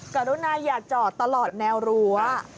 กรุณัอยังต้องเก็บตลอดแนวรั้ว